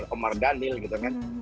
omar daniel gitu kan